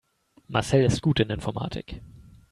Marcel ist gut in Informatik.